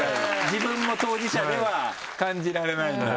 自分も当事者では感じられないんだ？